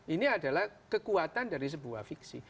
ini adalah kekuatan dari sebuah fiksi